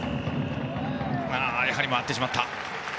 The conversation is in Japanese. やはり回ってしまった。